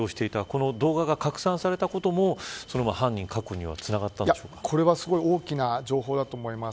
この動画が拡散されたことも犯人確保にこれは、すごい大きな情報だと思います。